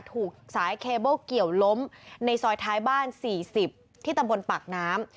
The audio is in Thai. ถูกสายเคเบิ้ลเกี่ยวล้มในซอยท้ายบ้าน๔๐ที่ตำบลปากน้ำ